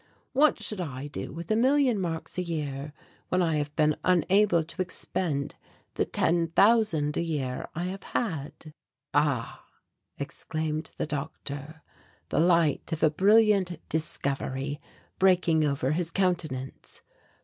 What should I do with a million marks a year when I have been unable to expend the ten thousand a year I have had?" "Ah," exclaimed the doctor, the light of a brilliant discovery breaking over his countenance.